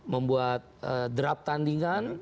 membuat draft tandingan